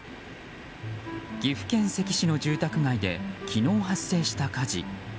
岐阜県関市の住宅街で昨日、発生した火事。